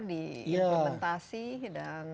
di implementasi dan